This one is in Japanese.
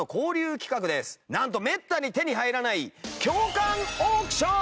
なんとめったに手に入らない共感オークション！